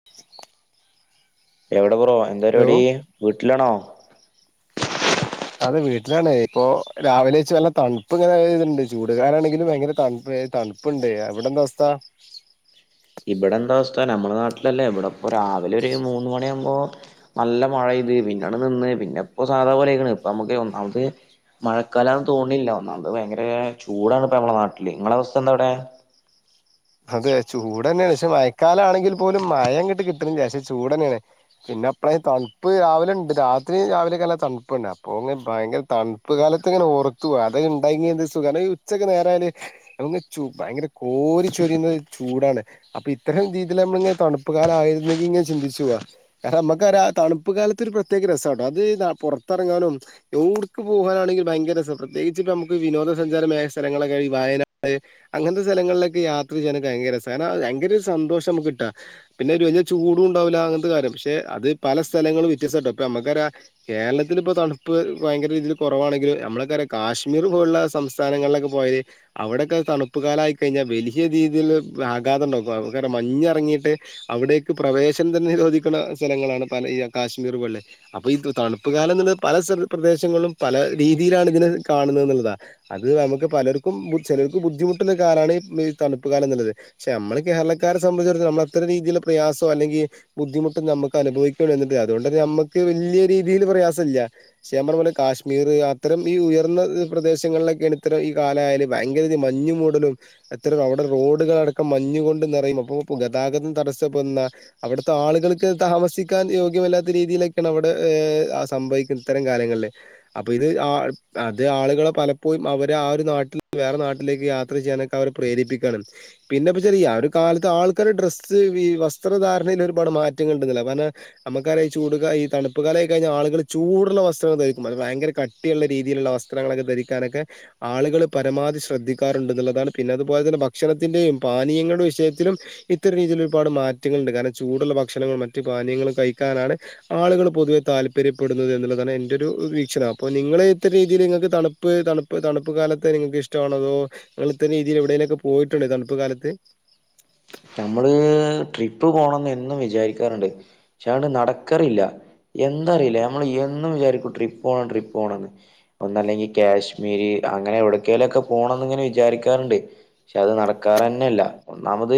[inaudible] എവിടെബ്രോ എന്താ ഹലോ രിവാടി വീട്ട്ലാണോ? അതെ വീട്ടിലാണെ ഇപ്പൊ രാവിലെ വെച്ച് വല്ല തണുപ്പ് ഇങ്ങനെത്ണ്ട് ചൂട്കാലാണെങ്കിലു ഭയങ്കര തണുപ്പ് തണുപ പ്പുണ്ട് അവ്ടെന്താ അവസ്ഥ? ഇബടെന്താ അവസ്ഥ ഞമ്മളെ നാട്ട്ലല്ലേ ബടെപ്പോ രാവിലെ ഒരു മൂന്ന് മണിആമ്പോ നല്ല മഴയ്ത്. പിന്നെട് നിന്ന്. പിന്നെപ്പൊ സാധാ പോലെയ്ക്ക്ണ്. ഇപ്പ അമ്മക്ക് ഒന്നാമത് മഴക്കാലന്ന് തോണ്ണില്ല. ഒന്നാമത് ഭയങ്കരെ ചൂടാണ് പ്പ അമ്മളെ നാട്ട്ല് ങ്ങളെ അവസ്ഥന്താവ്ടെ? അതെ ചൂടെന്നെണ്, ക്ഷേ മയക്കാല ആണെങ്കിൽ പോലും മയങ്ങട്ട് കിട്ട്ൺല്ല്യ ക്ഷേ ചൂട് ന്നെണ്. പിന്നെ പ്ലെ തൺപ്പ് രാവിലെ ണ്ട് രാത്രി രാവിലെക്കെല്ല തണ്പ്പ്ണ്ട് അപ്പോ ങ്ങനെ ഭയങ്കര തൺ പ്പ് കാലത്ത്ങ്ങനെ ഓർത്ത് പോവാ, അത്ണ്ടെങ്കിഎന്ത്‌ സുഖ ഈ ഉച്ചക്കെ നേരയല് ഞമക്ക് ച്ചു ഭയങ്കര കോരി ചൊരിയുന്നത് ചൂടാണ് അപ്പൊ ഇത്തരം രീതിൽ നമ്മള്ങ്ങെ തണുപ്പ് കാലായിര്ന്നെങ്കി ഇങ്ങനെ ചിന്തിചോവ. കാരണം അമ്മക്കറ്യ, തണുപ്പ് കാലത്തൊര് പ്രത്യേക രസാട്ടോ അത് നാ പൊറത്തെറങ്ങാനും യോവുട്ക്ക് പോകാനാണെങ്കി ഭയങ്കര രസം പ്രത്യേകിച്ച് ഇപ്പ മക്ക് വിനോദസഞ്ചാര മേഖ സ്ഥലങ്ങളെകെ ഈ വയനാട് അങ്ങൻത്തെ സ്ഥലങ്ങൾലൊക്കെ യാത്ര ചെയ്യാന്ക്കെ ഭയങ്കരരസ കാര്ണം ഭയങ്കര ഒരു സന്തോഷം മ്മക്ക് ട്ടാ. പിന്നെരു വെല്ല്യ ചൂടു ണ്ടാവുല അങ്ങൻത്തെ കാര്യം പക്ഷെ അത് പല സ്ഥലങ്ങളും വ്യത്യസ്തട്ടോ പ്പൊ ഞമ്മക്കറ്യ കേരളത്തില് പ്പൊ തണുപ്പ് ഭയങ്കര രീതിയിൽ കൊറവാണെങ്കിലും നമ്മളൊക്കെറിയാം കാശ്മീർ പോലുള്ള സംസ് സ്ഥാനങ്ങളിലൊക്കെ പോയല് അവിടെക്കെ തണുപ്പ് കാലായി കയ്ഞ്ഞാ വെലി യ രീതില്ള്ളൊരു ആഘാതണ്ടാക്കു, കാരോ മഞ്ഞെറങ്ങിട്ട് അവിടേക്ക് പ്രവേശനം തന്നെ നിരോധിക്കുന്ന സ്ഥലങ്ങളാണ് പല ഈ കാശ്മീർ പോലെ. അപ്പൊ ഈ തണുപ്പ് കാലം എന്നുള്ളത് പല പ്രദേശങ്ങളിലും പല രീതിയിലാണ് ഇതിനെ കാണുന്നത് ന്ന്ള്ളതാ അത് നമുക്ക് പലർക്കും ചിലർക്ക്‌ ബുദ്ധിമുട്ടുള്ള കാലാണ് ഈ തണുപ്പ് കാലം ന്ന്ള്ളത് ക്ഷെ നമ്മള് കേരളക്കാരെ സംബന്ധിച്ചടത്തോളം നമ്മളത്ര രീതിള്ള പ്രയാസൊ അല്ലെങ്കി ബുദ്ധിമുട്ട് നമുക്ക് അനുഭവിക്കുള്ളൂ എന്നിട്ട്, അതൊണ്ട്ത് അമ്മക്ക് വല്യ രീതീല് പ്രയാസല്യ ശേ പറഞ്ഞ പോലെ കാശ്മീർ അത്തരം ഈ ഉയർന്ന പ്രദേശങ്ങളിലൊക്കെയാണ് ഇത്തരം ഈ കാലായാല് ഭയങ്കര രീതി മഞ്ഞുമൂടലും ഇത്തരം അവിടെ റോഡുകളടക്കം മഞ്ഞു കൊണ്ട് നിറയും അപ്പൊ ഗതാഗതം തടസ്സപ്പെടുന്ന അവിടത്തെ ആളുകൾക്ക് താമസിക്കാൻ യോഗ്യമല്ലാത്ത രീതിയിലൊക്കെയാണ് അവിടെ സംഭവിക്കുന്ന ഇത്തരം കാലങ്ങളില് അപ്പൊ ഇത് ആ അത് ആളുകളെ പലപ്പോഴും അവരെ ആ ഒരു നാട്ടിൽ വേറെ നാട്ടിലേക്ക് യാത്ര ചെയ്യാനൊക്കെ അവരെ പ്രേരിപ്പിക്കാണ് പിന്നെപ്പച്ചാല് ഈ ആഒരു കാലത്ത് ആൾക്കാരെ ഡ്രസ്സ് ഈ വസ്ത്രധാരണയിൽ ഒരുപാട് മാറ്റങ്ങൾ ഉണ്ടന്നില്ല കാരന- അമ്മക്കറ്യ ഈ ചൂടു കാ ഈ തണുപ്പ് കാലായി കഴിഞ്ഞ ആളുകള് ചൂടുള്ള വസ്ത്രങ്ങൾ ധരിക്കും അത് ഭയങ്കര കട് ട്ടിയുള്ള രീതില്ള്ള വസ്ത്രങ്ങളൊക്കെ ധരിക്കാനൊക്കെ ആളുകള് പരമാവധി ശ്രദ്ധിക്കാറുണ്ട്ന്ന്ള്ളതാണ് പിന്നതുപോലെ തന്നെ ഭക്ഷണത്തിൻ്റെയും പാനീയങ്ങളുടെ വിഷയത്തിലും ഇത്തരം രീതിയിൽ ഒരുപാട് മാറ്റങ്ങൾണ്ട്. കാരണം ചൂടുള്ള ഭക്ഷണങ്ങളും മറ്റു പാനീങ്ങളും കഴിക്കാനാണ് ആളുകൾ പൊതുവെ താല്പര്യപ്പെടുന്നത് എന്നുള്ളതാണ് എന്റൊരു വീക്ഷണം, അപ്പൊ നിങ്ങൾ ഇത്ര രീതിയില്ങ്ങക്ക് തണുപ്പ് തണുപ് പ്പ് തണുപ്പ് കാലത്തെ നിങ്ങൾക്ക് ഇഷ്ടണോ അതോ നിങ്ങള് ഇത്തരം രീതിയിൽ എവിടേലൊക്കെ പോയിട്ടുണ്ടോ ഈ തണുപ്പ് കാലത്ത് നമ്മള് ട്രിപ്പ് പോണംന്നെന്നും വിചാരിക്കാറുണ്ട് ക്ഷേ അണ്ട് നടക്കറില്ല എന്തറില്ല നമ്മള് എന്നും വിചാരിക്കും ട്രിപ്പോണം ട്രിപ്പോണംന്ന് ഒന്നല്ലെങ്കി കാശ്മീര് അങ്ങനെ എവിടക്കേലൊക്കെ പോണംന്ന് ങ്ങനെ വിചാരിക്കാറുണ്ട് ക്ഷെ അത് നടക്കാറന്നെല്ല ഒന്നാമത്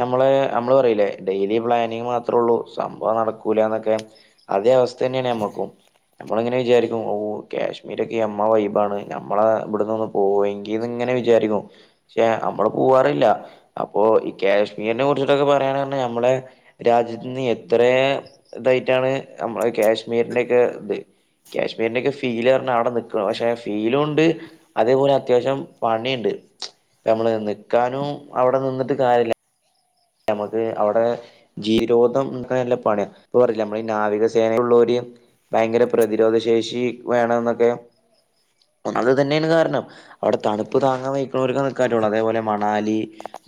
നമ്മളെ അമ്മള് പറീല്ലേ ഡെയിലി പ്ലാനിങ് മാത്രേ ഉള്ളൂ സംഭവം നടക്കൂലാന്നൊക്കെ അതേ അവസ്ഥന്നേണ് ഞമ്മക്കും നമ്മളിങ്ങനെ വിചാരിക്കും, ഓ കാശ്മീരൊക്കെ എമ്മ വൈബാണ്, ഞമ്മളെ ബട്ന്നൊന്നും പോവ്വെങ്കിന്ന്ങ്ങനെ വിചാരിക്കും ക്ഷേ അമ്മള് പോവാറില്ല. അപ്പോ ഇ ക്യാശ്മീരിനെ കുറിചിട്ടൊക്കെ പറയാണ്ർഞ ഞമ്മളെ രാജ്യത്ത്ന്ന് എത്രേ തായിട്ടാണ് നമ്മള കാശ്മീരിന്റൊക്കെ ത് ക്യാശ്മീരിന്റെക്കെ ഫീല്ർഞ്ഞ അവിടെ നിക്കണ, പക്ഷെ ഫീലൂണ്ട് അതേപോലെ അത്യാവശ്യം പണീണ്ട് ഇപ്പം ഞമ്മള് നിക്കാനും അവ്ടെ നിന്ന്ട്ട് കാര്യല്ലാ ഞമ്മക്ക് അവ്ടേ ജീരോധം ക്കെ നല്ല പണ്യാ ഇപ്പം പറീലെ നമ്മളീ നാവികസേനേലുള്ളോര് ഭയ്ങ്കര പ്രതിരോധ ശേഷി വേണം ന്നൊക്കെ അത് ഇതെന്നേണ് കാര്ണം അവ്ടെ തണുപ്പ് താങ്ങാം വെയ്ക്ക്ണോര്ക്ക് നിക്കാറ്റൊള്ളൂ അതേപോലെ മണാലി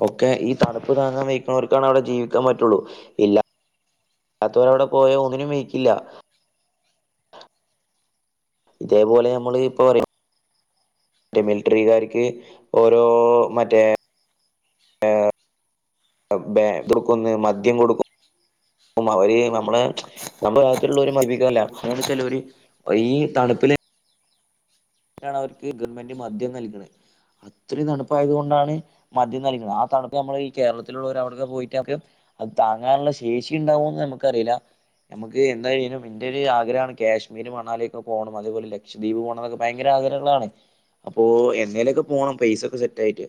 ഒക്കെ ഈ തണ്പ്പ് താങ്ങാം വെയ്ക്ക്ണോര്ക്കാണ് അവ്ടെ ജീവിക്കാം പറ്റാെള്ളൂ ഇല്ല ത്തവരവ്ടെ പോയ ഒന്നിനും വെയ്ക്കില്ല്യാ ഇതേപോലെ ഞമ്മള് ഇപ്പം പറിം റ്റെ മിൽറ്റ്റികാര്ക്ക് ഓരോ മറ്റേ എഹ് ബേ ത്ട്ക്കുംന്ന് മദ്യം കൊട്ക്കും അവര് നമ്മള് [unintelligible] ഭാഗത്ത്ള്ളാേര് മയ്ബിക്കല്ല ചെലോര് പ്പ ഈ തണ്പ്പ്ല് നാണവര്ക്ക് ഗൺമെന്റ് മദ്യം നൽക്ണെ അത്രിം തണ്പ്പായതുകൊണ്ടാണ് മദ്യം നൽക്ണെ ആ തണ്പ്പ് നമ്മൾ ഈ കേരളത്തിലുള്ളവര് അവ്ടൊക്കെ പോയിട്ട് അവക്ക് അത് താങ്ങാന്ള്ള ശേഷി ഇണ്ടാവാേന്ന് നമ്ക്കറീലാ ഞമ്മക്ക് എന്താ കെ [unintelligible] ഇന്റെ ഒര് ആഗ്രഹാണ് കേശ്മീര് മണാല്യൊക്കെ പോണം അതേപോലെ ലക്ഷദീപ് പോണംന്നൊക്കെ ഭയങ്കര ആഗ്രഹങ്ങളാണ് അപ്പോ എന്നേലെക്കെ പോണം പെയ്സാെക്കെ സെറ്റായ്ട്ട്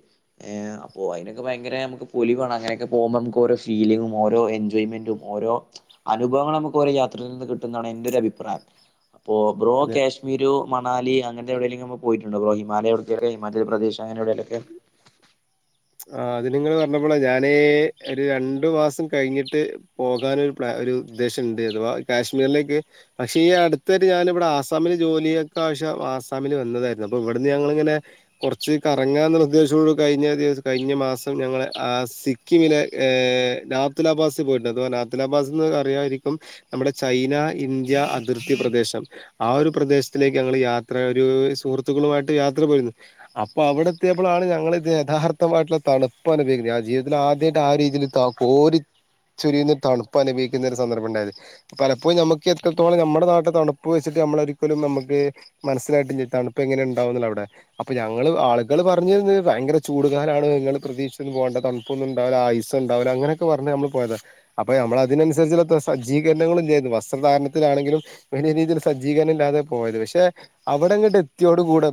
ഏഹ് അപ്പോ അയ്നൊക്കെ ഭയങ്കെരെ നമുക്ക് പൊലിവാണ് അങ്ങനെക്കെ പോവുമ്പമുക്ക് ഓരോ ഫീലിങ്ങും ഓരോ എൻജോയ്മെന്റും ഓരോ അനുഭവങ്ങളമുക്ക് ഓരോ യാത്രയിൽ നിന്ന് കിട്ട്ന്നാണ് എന്റൊര് അഭിപ്രായം അപ്പോ ബ്രോ അത് കേശ്മീരു മണാലി അങ്ങെൻത്തെ എവ്ടേലെങ്കിം മ്പ് പോയിട്ട്ണ്ടാേ ബ്രോ ഹിമാലയ ഒട്ക്കേലൊക്കെ ഹിമാചൽ പ്രദേശ് അങ്ങെനെ എവ്ടേലൊക്കെ ആഹ് അത് നിങ്ങെള് പർഞ്ഞപ്പളാ ഞാന് ഒര് രണ്ട് മാസം കയ്ഞ്ഞ്ട്ട് പോകാനാെരു പ്ലാ ഒരു ദ്ദേശെണ്ട് അഥവാ കാശ്മീർലേക്ക് പക്ഷെ ഈ അട്ത്തായ്ട്ട് ഞാന്‌വ്ടെ ആസാമ്‌ല് ജോലിയൊക്കാവശ്യം ആസാമില് വന്നെതേയ്ര്ന്നു അപ്പൊ ഇവട്ന്ന് ഞങ്ങള്ങ്ങെനെ കൊർച്ച് കറങ്ങാന്ന് ഉദ്ദേശ്തോട് കയ്ഞ്ഞാെരീസ് കഴിഞ്ഞ മാസം ഞങ്ങള് ആഹ് സിക്കിമ്മില് ഏഹ് രാത്തിലാഭാസി പോയിട്ട് അതു പോലാ ത്ത്ലാഭാസ്ന്ന് അറിയായ്രിക്കും നമ്മ്ടെ ചൈനാ ഇന്ത്യാ അതിർത്തി പ്രദേശം ആ ഒരു പ്രദേശ്ത്തിലേക്ക് ഞങ്ങള് യാത്രാ ഒരൂ സുഹൃത്തുക്കളുവായ്ട്ട് യാത്ര പോയ്ര്ന്നു അപ്പൊ അവ്ടെ എത്ത്യേപ്പളാണ് ഞങ്ങള് ഇത് യഥാർ ത്തമായ്ട്ട്ള്ള തണ്പ്പനുഭവിക്ക്ണ് ഞാൻ ജീവ്തത്തിലാദ്യായ്ട്ടാ ആ രീതീല് ത കോരി ചാെരിയുന്ന തണ്പ്പനുഭിക്കുന്നെരു സന്ദർബണ്ടായെത് പലപ്പോഴും ഞമ്മെക്ക് എത്രെത്തോളം ഞമ്മടെ നാട്ട്ലെ തണ്പ്പ് വെച്ചിട്ട് അമ്മെള് ഒരിക്കെലും നമ്മക്ക് മനസ്സ്ലായ്ട്ടില്ലേ തണ്പ്പ് എങ്ങെനെണ്ടാവുന്ന്ള്ള അവ്ടെ അപ്പൊ ഞങ്ങെള് ആള്കള് പർഞ്ഞ്ന്ന് ഭയങ്കെര ചൂട് കാലാണ് ഇങ്ങെള് പ്രതീഷ്ച്ചൊന്നും പോണ്ട തണ്പ്പൊന്നുംണ്ടാവ്‌ല അയ്സ്ണ്ടാവൂല അങ്ങെനെയെക്കെ പർഞ്ഞ് നമ്മെള് പോയെതാ അപ്പം ഞമ്മളതിനൻസര്ച്ച്ള്ളത്ര സജ്ജീകര്ണങ്ങളും ഇല്യാര്ന്നു വസ്ത്രധാര്ണത്തിലാണെങ്കിലും വെലിയ രീതിയിൽ സജ്ജീകരണം ഇല്ലാതെ പോയെത് പക്ഷെ അവ്ടെങ്ങെട് എത്ത്യോട് കൂടെ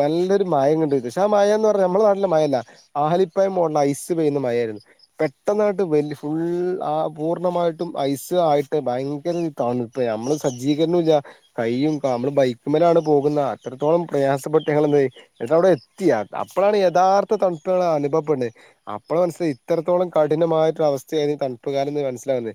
നല്ലെരു മയങ്ങെട്യ്ത് ക്ഷെ ആ മയാന്ന് പർഞ്ഞാ ഞമ്മെളെ നാ ട്ട്ൽല്ലെ മയെല്ലാ ആലിപ്പയം മോഡ്ല് ഐസ് പെയ്യ്ന്ന മയായ്ര്ന്ന് പെട്ടെന്ന്ങ്ങെട്ട് വെൽ ഫുൾ ആഹ് പൂർണ്ണമായ്ട്ടും ഐസ് ആയ്ട്ട് ഭയ്ങ്കെരൊര് തണ്പ്പെ ഞമ്മെള് സജ്ജീകരണുല്ലാ കയ്യും കാ മ്മള് ബൈക്ക്മ്മലാണ് പോകുന്ന് അത്രെത്തോളം പ്രയാസപ്പെട്ട് ഞങ്ങളെന്തായ് ന്നിട്ടവ്ടെ എത്തി അഹ് അപ്പളാണ് യഥാർത്ഥ തൺപ്പ് ഞങ്ങളനുഭവപ്പെട്ണെ അപ്പളാ മൻസ്സ്ലായ് ഇത്രത്തോളം കഠിനമായ്ട്ടൊര അവസ്ഥേനി തൺപ്പ്കാലംന്ന് മൻസ്സ്ലാവ്ന്നെ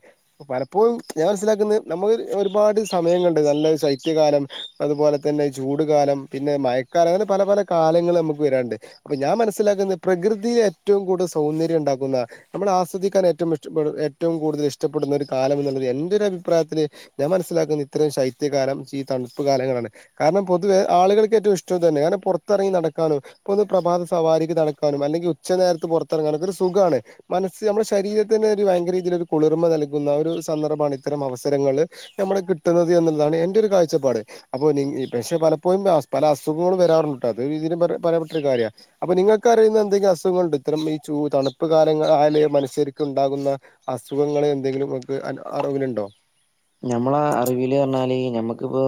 പലപ്പോഴും ഞാൻ മൻസ്സിലാക്ക്ന്ന് നമ്മള് ഒരുപാട് സമയം കണ്ട് നല്ല ശൈത്യകാലം അതുപോലെ തന്നെ ചൂട് കാലം പിന്നെ മയക്കാലം അങ്ങനെ പല പല കാലങ്ങൾ നമുക്ക് വരാണ്ട് അപ്പം ഞാൻ മനസ്സ്ലാക്ക്ന്നെ പ്രകൃതീ ഏറ്റവും കൂട്ത സൗന്ദര്യംണ്ടാക്കുന്ന നമ്മൾ ആസ്വദിക്കാനേറ്റവും ഇഷ്ടപ്പെട് ഏറ്റവും കൂടുതലി ഷ്ടപ്പെടുന്ന ഒരു കാല ന്നുള്ളത് എന്റെ ഒരു അഭിപ്രായത്തില് ഞാൻ മനസ്സിലാക്കുന്നു ഇത്രേം ശൈത്യകാലംശി തണുപ്പ് കാലങ്ങളാണ് കാരണം പൊതുവേ ആളുകൾക്ക് ഏറ്റവു ഇഷ്ടവു തന്നെ. കാരണം പുറത്തെറങ്ങി നടക്കാനും പ്പന്ന് പ്രഭാത സവാരിക്ക് നടക്കാനും അല്ലെങ്കിൽ ഉച്ചനേരത്ത് പുറത്തെറങ്ങാനുംഒക്കൊരു സുഖാണ് മനസ്സ് നമ്മളെ ശരീരത്തിന് ഒരു വയങ്കര ഇതിലൊരു കുളിർമ നൽകുന്ന ഒരു സന്ദർഭാണ് ഇത്തരം അവസരങ്ങള് നമ്മള് കിട്ടുന്നത് എന്നുള്ളതാണ് എന്റെ ഒരു കാഴ്ചപ്പാട് അപ്പൊ നി പക്ഷെ പലപ്പോഴും പല അസുഖങ്ങളും വരാറുണ്ട്ട്ടോ. അത് ഇതിലും പറയപ്പെട്ടൊരു കാര്യ അപ്പൊ നിങ്ങക്ക് അറിയുന്ന എന്തെങ്കിലും അസുഖങ്ങള്ണ്ടോ. ഇത്രം ഈ ചൂ തണുപ്പ് കാലങ്ങആ ലാ ള മനുഷ്യർക്ക് ണ്ടാകുന്ന അസു ങ്ങെളെന്തെങ്കിലും ങ്ങക്ക് അൻ അറ് വിലുണ്ടോ നമ്മളെ അറിവില് റഞ്ഞാല്... ഞമ്മക്കിപ്പോ.,.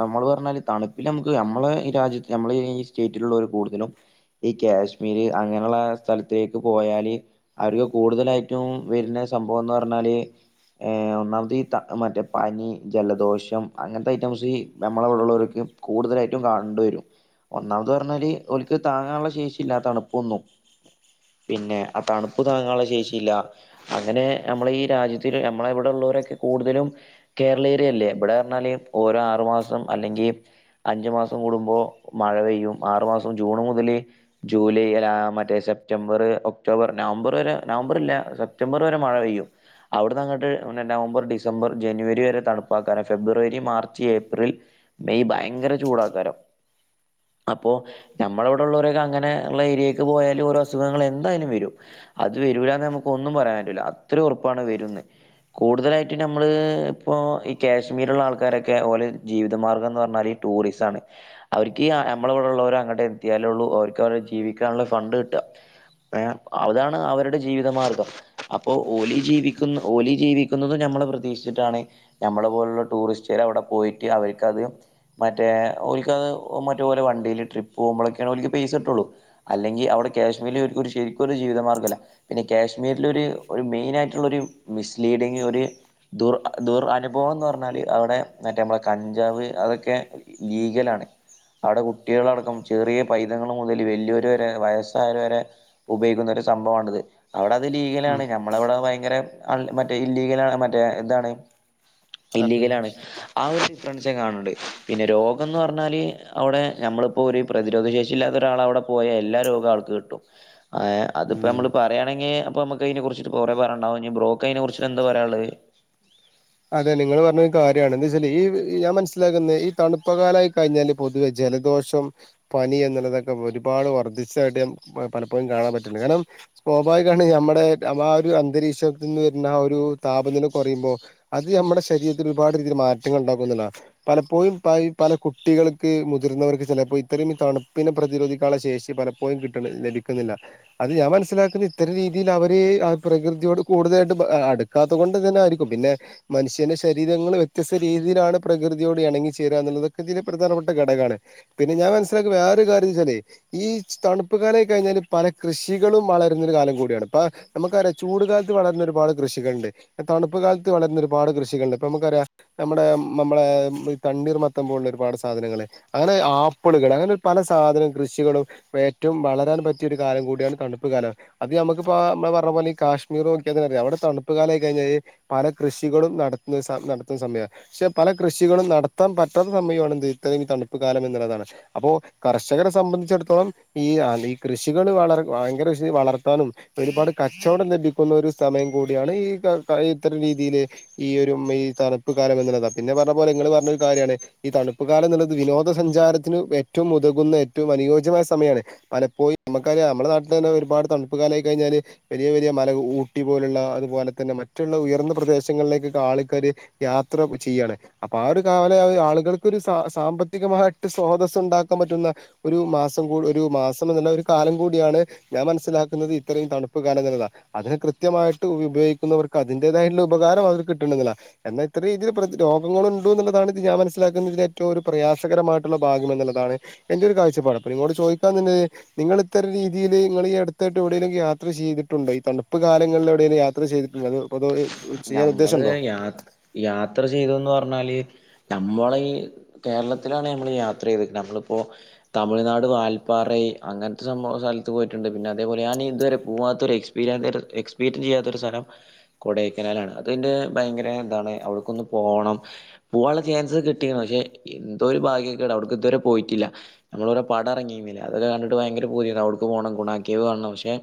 നമ്മള് പറഞ്ഞാല് തണുപ്പില് നമുക്ക് നമ്മളെ ഈ രാജ്യത്ത് നമ്മള് ഈ സ്റ്റേറ്റിലുള്ളവർ കൂടുതലും ഈ കാശ്മീര് അങ്ങനെള്ള സ്ഥലത്തെക്ക് പോയാല് അവർക്ക് കൂടുതലായിട്ടും വരുന്ന സംഭവം ന്ന് പറഞ്ഞാല് ഏ.. ഒന്നാമതി ത മറ്റേ പനി ജലദോഷം അങ്ങനത്തെ ഐറ്റംസീ നമ്മളെവിടുള്ളോർക്ക് കൂടുതലായിട്ടും കാണ് ണ്ട് വരും ഒന്നാമത് പറഞ്ഞാല് ഓൽക്ക് താങ്ങാന്ള്ള ശേഷി ഇല്ല. തണുപ്പൊന്നും പിന്നെ ആ തണുപ്പ് താങ്ങാള്ള ശേഷില്ല അങ്ങനെ നമ്മള ഈ രാജ്യത്തില് നമ്മളവിടെ ഉള്ളൊരൊക്കെ കൂടുതലും കേരളീയരല്ലേ. ഇബ്ടെ ന്നറിഞ്ഞാല് ഓരോ ആറു മാസം അല്ലെങ്കി അഞ്ചു മാസം കൂടുമ്പോ മഴ പെയ്യും. ആറു മാസം ജൂണ് മുതല് ജൂലൈ അലാ മറ്റേ സെപ്റ്റംബർ ഒക്ടോബർ നവംബർ വരെ നവംബറില്ല സെപ്റ്റംബർ വരെ മഴ പെയ്യും അവിടുന്നങ്ങേട്ട് നവംബർ ഡിസംബർ ഡിസംബർ ജനുവരി വരെ തണുപ്പാക്കാരം ഫെബ്രുവരി മാർച്ച് ഏപ്രിൽ മെയ് ഭയങ്കര ചൂടാക്കാരം. അപ്പോ ഞമ്മടവടൊള്ളോരൊക്കെ അങ്ങനെ ഒള്ള ഏരിയായ്ക്ക് പോയാലും ഓരോ അസുഖങ്ങള് എന്തായാലും വരും അത് വരൂലാന്ന് നമക്ക് ഒന്നും പറയയാൻപറ്റൂല. അത്രയും ഒറപ്പാണ് വരുന്ന്. കൂടുതലായി റ്റ നമ്മള് പ്പോ ഈ കാശ്മീറ് ള്ള ആൾക്കാരൊക്കെ ഓലെ ജീവിതമാർഗ്ഗം ന്ന് പറഞ്ഞാല് ഈ ടൂറിസാണ്, അവർക്കീ അമ്മളവിടെ ഉള്ളവരങ്ങട്ട് എത്തിയാലൊ ള്ളൂ ഓ ർക്ക വടെ ജീവിക്കാനുള്ള ഫണ്ട് കിട്ട, യേ, അതാണ് അവരുടെ ജീവിതമാർഗ്ഗം, അപ്പോ ഓലി ജീവിക്കുന്ന ഓലീ ജീവിക്കുന്നതും നമ്മള് പ്രതീക്ഷിച്ചിട്ടാണ് നമ്മളെ പോലുള്ള ടൂറിസ്റ്റേരവിടെ പോയിട്ട് അവർക്കത്, മറ്റേ ഓൽക്ക് അത് മറ്റേ ഓല വണ്ടീൽ ട്രിപ്പോ കുമ്പളൊക്കേണ് ണോല്ക്ക് പൈസട്ടുള്ളൂ, അല്ലെങ്കിൽ അവിടെ കാശ്മീരിലൊർക്കൊരു ശരിക്കുരു ജീവിതമാർഗംല്ല, പിന്നെ കാശ്മീരിലൊര് ഒര് മെയിനാ യിട്ടുള്ള ഒരു മിസ്ലീ ഡിങ് ഒരു, ദുർ ദുർ അനുഭവം ന്ന് പറഞ്ഞാല് അവിടെ മറ്റേ നമ്മളെ കഞ്ചാവ് അതൊക്കെ, ലീഗലാണ്, അവിടെ കുട്ടികളടക്കം ചെറിയ പൈതങ്ങൾ മുതൽ വല്ല്യൊര് വരെ വയസ്സായരു വരെ, ഉപയോഗിക്കുന്ന ഒരു സംഭവാണ് ട്ടൊത്., അവിടെ അത് ഉം ലീഗലാണ്, നമ്മള വിടെ വ യങ്കര മറ്റ് ഇല്ലീഗലാണ്. മറ്റേ എന്താണ്, അതെ ഇില്ലിഗലാണ്, ഹ് ആ ഒരു ഡിഫറൻസെ കാണുന്ന്ണ്ട്. പിന്നെ രോഗംന്ന് പറഞ്ഞാല് അവിടെ നമ്മളിപ്പോ ഒര്, പ്രതിരോധ ശേഷി ഇല്ലാത്ത ഒരാള വിടെ പോയാ എല്ലാ രോഗ ആൾക്കു കിട്ടും, ഏഹ് അതിപ്പോ ഉം നമ്മള് പറയാണെങ്കി അപ്പൊ നമുക്ക് അയിന കുറിച്ച് കുറെ പറയാണ്ടാവും, ബ്രോക്ക് അയിനെ കുറിച്ച് എന്താ പറയാള്ളത്? അതെ നിങ്ങള് പറഞ്ഞൊരു കാര്യാണ്. എന്തച്ചാല് ഈ ഞാൻ മനസ്സിലാക്കുന്നത് ഈ തണുപ്പ കാലായി കയിഞ്ഞാല് പൊതുവെ ജലദോഷം, പനി എന്നുള്ളതൊക്കെ ഒരുപാട് വർദ്ധിച്ചതായിട്ട് ഞാൻ പലപ്പോഴും കാണാ പറ്റ്ണ്ട്, കാരണം, സ്വാഭാവികാണ് നമ്മുടെ ആ വാ ഒരു അന്തരീക്ഷത്തിന്ന് വരുന്ന ആ ഒരു താപനില കുറയുമ്പോ, അത് നമ്മടെ ശരീരത്തിലൊരുപാട് രീതിയില് മാറ്റങ്ങൾ ണ്ടാക്കുംന്ന്ള്ളതാണ്. പലപ്പോഴും പയ് പല കുട്ടികൾക്ക്, മുതിർന്നവർക്ക് ചെലേപ്പം ഇത്രയും തണുപ്പ്നെ പ്രതിരോധിക്കാൻള്ള ശേഷി പല പോയും കിട്ടണ ലഭിക്കുന്നില്ല അത് ഞാൻ മനസ്സിലാക്ക്ന്ന ഇത്തര രീതിയില് അവര് ആ പ്രകൃതിയോട് കൂടുതലായിട്ടും അ അട് ക്കാത്തെ കൊണ്ട് തന്നെ ആയിരിക്കും. പിന്നെ മനുഷ്യന്റെ ശരീരങ്ങൾ വ്യത്യസ്ത രീതിയിലാണ് പ്രകൃതിയോട് എണങ്ങി ചേരാന്നുള്ളതൊക്കെ തിന്റെ പ്രധാനപ്പെട്ട ഘടകാണ്. പിന്നെ ഞാ മൻസിലാക്ക്യ വേറൊരു കാര്യന്നെച്ചാലെ ഈ തണ്പ്പ് കാലായി കഴിഞ്ഞാല് പല കൃഷികളും വളരുന്നൊരു കാലം കൂടിയാണ്. പ്പ അമ്മക്കറിയാ ചൂട് കാലത്ത് വളരുന്ന ഒരുപാട് കൃഷികൾണ്ട്, തണ്പ്പു കാലത്ത് വളര്ന്ന ഒരുപാട് കൃഷികള്ണ്ട്, പ്പൊ മ്മക്കറിയാ നമ്മുടെ മമ്മളേ മ് തണ്ണീർ മത്തൻ പോൽള്ളുരുപാട് സാധനങ്ങള് അങ്ങനെ ആപ്പ്ള്കള് അങ്ങനൊരു പല സാധനം കൃഷികളും, പ്പെ ഏറ്റവും വളരാന് പറ്റിയൊരു കാലം കൂടിയാണ് തണുപ്പ് കാലാ. അത് നമുക്ക്പ്പോ മ്മള് പറഞ്ഞ പോലെ ഈ കാശ്മീറ് നോക്ക്യാ തന്നെ അറിയാ. അവ്ടെ തണുപ്പ്‌ കാലായി കഴിഞ്ഞായ് പല കൃഷി ത്തികളും നടത്തുന്ന സ നടത്തുന്ന സമയാ പക്ഷെ പല കൃഷികളും നടത്താം പറ്റാത്ത സമയു ആണ് ന്ത് ഇത്രയും ഈ തണുപ്പ് കാലം എന്ന്ള്ളതാണ്, അപ്പോ കർഷകരെ സംബന്ധിച്ചിടത്തോളം ഈ ആഹ് ഈ കൃഷികള് വളർ ഭയങ്കര കൃഷി വളർത്താനും, ഒരുപാട് കച്ചവടം ലഭിക്കുന്നൊരു സമയം കൂടിയാണ്. ഈ ക ക ഈ ഇത്തരം രീതിയില്, ഈയൊരു മ്മ് ഈ തണ്പ്പ് കാലം എന്ന്ള്ളതാ. പിന്നെ പറഞ്ഞ പോലെ ങ്ങള് പറഞ്ഞ ഒരു കാര്യാണ് ഈ തണുപ്പ് കാലം ന്ന്ള്ളത് വിനോദ സഞ്ചാരത്തിന് ഏറ്റവും ഉതകുന്ന, ഏറ്റവും അനുയോജ്യമായ സമയാണ് പലപ്പോയി നമക്കറിയാ നമ്മളെ നാട്ടിലെന്നെ ഒരുപാട് തണുപ്പുകാലായി കഴിഞ്ഞാല് വെലിയ, വെലിയ മല ഊട്ടി പോലുള്ള അതുപോലെ തന്നെ മറ്റുള്ള ഉയർന്ന പ്രദേശങ്ങളിലേക്കൊക്കെ ആള്ക്കാര്, യാത്ര ചെയ്യാണ്, അപ്പൊ ആ ഒരു കാവല ആളുകൾക്കൊരു സ സാമ്പത്തികമായിട്ട് സ്രോതസുണ്ടാക്കാം പറ്റുന്ന, ഒരു മാസം കൂ ഒരു മാസം എന്നുള്ള ഒരു കാലം കൂടിയാണ്, ഞാൻ മനസ്സിലാക്കുന്നത് ഇത്രയും തണുപ്പ് കാലം നല്ലതാ. അതിന് കൃത്യമായിട്ട് ഉപയോഗിക്കുന്നവർക്ക് അതിന്റേതായിട്ട്ള്ള, ഉപകാരം അവർക്ക് കിട്ട്ന്ന് ളളതാ, എന്നാ ഇത്ര രീതിയിൽ പ്രതി രോഗങ്ങള്ണ്ട് ന്ന്ള്ളതാണ് ഇത് ഞാൻ മനസ്സിലാക്കുന്നതിന് ഏറ്റവും ഒരു പ്രയാസകരമായിട്ട്ള്ള ഭാഗം എന്ന്ള്ളതാണ്. എന്റെ ഒരു കാഴ്ചപ്പാട്, അപ്പൊ നിങ്ങളോട് ചോയിക്കാൻ നിന്നത് നിങ്ങള് ഇത്തര ഒര് രീതിയില് ങ്ങള് ഈ അട്ത്തായിട്ട് എവ്ടേലും യാത്ര ചെയ്തിട്ടുണ്ടൊ ഈ തണുപ്പ് കാലങ്ങളൊവ്ടേലും യാത്ര ചെയ്തിട്ടുണ്ടോ അതോ? പൊതുവെ ഞമ്മള് യാ യാത്ര ചെയ്ത് ന്ന് പർഞ്ഞാല് ഞമ്മളെ ഈ കേരളത്തിലാണ് നമ്മള് യാത്രയ്തെ. നമ്മള് പ്പൊ തമിഴ്നാട്, വാൽപ്പറ ഈ അങ്ങ ൻത്തെ സംഭവ സ്ഥൽത്ത് പോയിട്ട്ണ്ട്. പിന്നെ അതെ പോലെ ഞാൻ ഇത് വരെ പോവാത്തൊര് എക്സ് പീരിയൻടേറ്റർ എക്സ്പീറ്റിൻ ചെയ്യാത്തരു സ്ഥലം കൊടൈക്കനാലാണ്. അത് ന്റെ ഭയങ്കര ന്താണ് അവ്ട്ക്കൊന്ന് പോണം പോവാൻള്ള ചാൻസ് കിട്ടിക്ണ്. പക്ഷെ എന്തോ ഒര് ഭാഗ്യക്കെടാ അവ്‌ട് ക്ക് തുവരെ പോയിട്ടില്ല. നമ്മള് ഒരൊ പടം എർങ്ങീരുന്നില്ലെ അതക്കെ കണ്ട്ട്ട് ഭയങ്കര പൂതിയാര്ന്ന് അവ്‌ട്ക്ക് പോണം, ഗുണാക്കേവ് കാണണം പക്ഷെ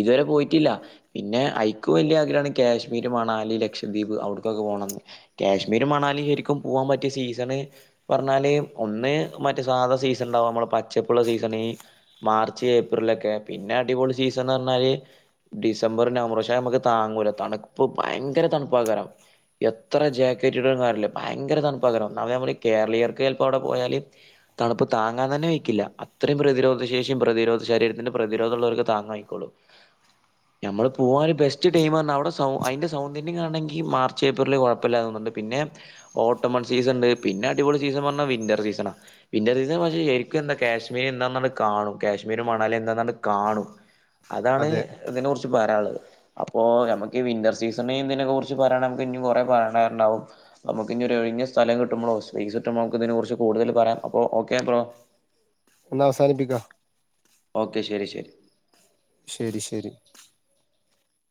ഇതുവരെ പോയിട്ടില്ല. പിന്നെ ഐക്കു വലിയ ആഗ്രഹാണ് ക്യാശ്മീര്, മണാലി, ലക്ഷദ്വീപ്, അവ്ട് കൊക്കെ പോണംന്ന്. ക്യാശ്മീരും, മണാലിം ശരിക്കും പോവാം പറ്റിയ സീസണ് പർണാല് ഒന്ന് മറ്റെ സാധാ സീസൺ ണ്ടാവും അമ്മളെ പച്ചപ്പ്ള്ള സീസണ്. മാർച്ച്, ഏപ്രിലൊക്കെ പിന്നെ അടിപൊളി സീസണർണാല് ഡിസംമ്പറും, നവംമ്പറും പക്ഷെ അമ്മക്ക് താങ്ങൂല. തണ്പ്പ് ഭയങ്കര തണ്പ്പാക്കാരം. എത്ര ജാക്കറ്റ് ഇടണംന്നർ ല്ലാ. ഭയങ്കര തണ്പ്പാക്കാരം ഒന്നാമത് നമ്മള് കേരളീയർക്കെൽപ്പൊ അവ്ടെ പോയാല് തണ്പ്പ് താങ്ങാൻ തന്നെ വെയ്ക്കില്ല. അത്രയും പ്രതിരോധ ശേഷിയും, പ്രതിരോധ ശരീരത്തിന്റെ പ്രതിരോധള്ളാർക്കേ താങ്ങായിക്കോളും ഞമ്മള് പോവാന് ബെസ്റ്റ് ടൈം അവിടെ. സൗ അതിൻ്റെ സൗന്ദര്യം കാണെങ്കിൽ മാർച്ച് ഏപ്രിലിൽ കുപ്പമില്ലാതോനുണ്ട് പിന്നെ. ഓട്ടംൺ സീസൺണ്ട് പിന്നെ അടിപൊളി സീസൺ പറഞ്ഞാൽ വിന്റർ സീസണാ. പിന്നെ അത് പക്ഷെ ശരിക്കും എന്താ കാശ്മീർ എന്താ കാണും കാശ്മീർ മണാലി എന്താ കാണും. അതാണ് അതെ ഇതിനെ കുറിച്ച് പറയാനുള്ളത് അപ്പോ ഞമക്ക്. ഈ വിന്റർ സീസംണ് ഇതിനെ കുറിച്ച് പറയാൻ നമുക്ക് ഇനി കുറെ പറയാറുണ്ടാവും. നമുക്ക് ഇനി ഒരു ഒഴിഞ്ഞ സ്ഥലം കിട്ടുമോ സ്പേസ് കിട്ടുമ്പോ ഒക്കെ നമക്ക് ഇതിനെ കുറിച്ച് കൂടുതൽ പറയാം അപ്പൊ ഓക്കെ ബ്രോ. ഇന്ന് അവസാനിപ്പിക്കാ. ഓക്കെ ശരി ശരി. ശരി ശരി.